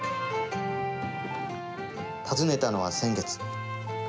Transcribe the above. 訪ねたのは先月。